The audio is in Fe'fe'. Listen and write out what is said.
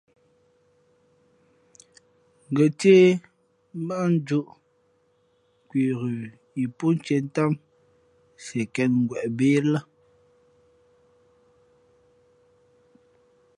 Ngα̌ céh mbát njūʼ nkwe ghə yi pó tiē ntám nsienkěngweʼ bê le.